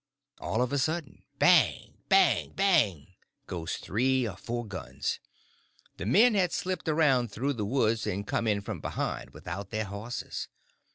All of a sudden, bang! bang! bang! goes three or four guns—the men had slipped around through the woods and come in from behind without their horses!